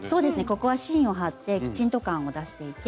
ここは芯を貼ってきちんと感を出していて。